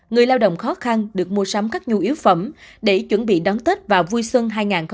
người lao động khó khăn được mua sắm các nhu yếu phẩm để chuẩn bị đón tết và vui xuân hai nghìn hai mươi bốn